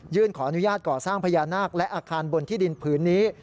ขออนุญาตก่อสร้างพญานาคและอาคารบนที่ดินผืนนี้